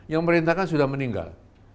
yang diperintahkan sudah meninggal